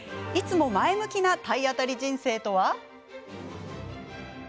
いつも前向きな体当たり人生とは？